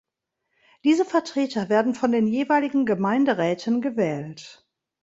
Diese Vertreter werden von den jeweiligen Gemeinderäten gewählt.